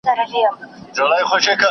نړیوال څېړندود د پرمختګ یوازینۍ لاره ده.